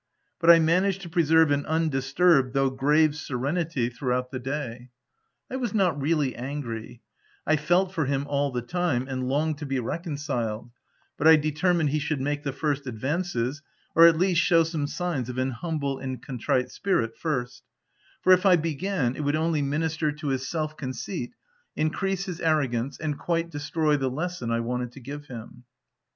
But I managed to pre serve an undisturbed, though grave serenity OB THE TENANT throughout the day. I was not really angry : I felt for him all the time, and longed to be reconciled ; but I determined he should make the first advances, or at least shew some signs of an humble and contrite spirit, first ; for, if I began, it would only minister to his self conceit, increase his arrogance, and quite de stroy the lesson I wanted to give him.